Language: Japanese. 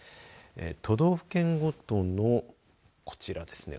都道府県ごとのこちらですね。